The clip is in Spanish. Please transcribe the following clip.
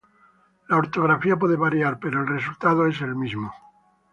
La ortografía puede variar, pero el resultado es el mismo.